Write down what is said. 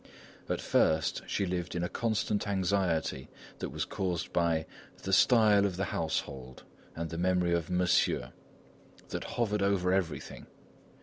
At first she lived in a constant anxiety that was caused by "the style of the household" and the memory of "Monsieur," that hovered over everything.